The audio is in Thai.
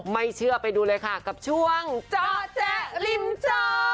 ไม่เชื่อไปดูเลยค่ะกับช่วงเจาะแจ๊ริมจอ